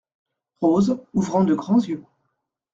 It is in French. Rose , ouvrant de grands yeux.